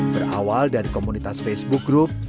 berawal dari komunitas facebook group